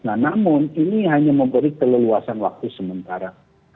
nah namun ini hanya memberi keleluasan waktu sementara